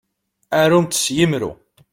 Arumt s yimru.